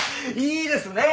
いいですね。